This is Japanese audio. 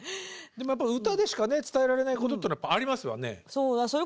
でもやっぱり歌でしかね伝えられないことってのはやっぱありますわね。